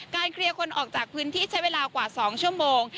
เคลียร์คนออกจากพื้นที่ใช้เวลากว่า๒ชั่วโมง